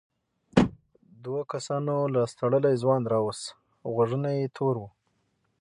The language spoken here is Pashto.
دوو کسانو لاس تړلی ځوان راووست غوږونه یې تور وو.